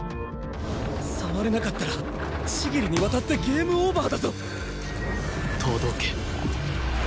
触れなかったら千切に渡ってゲームオーバーだぞ！？届け。